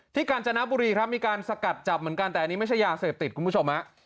กาญจนบุรีครับมีการสกัดจับเหมือนกันแต่อันนี้ไม่ใช่ยาเสพติดคุณผู้ชมฮะ